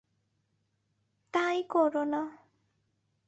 – তাই করো-না।